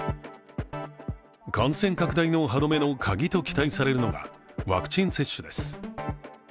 感染拡大の歯止めのカギと期待されるのがワクチン接種です。